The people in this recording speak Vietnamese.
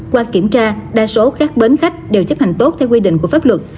qua kiểm tra đa số các bến khách đều chấp hành tốt theo quy định của pháp luật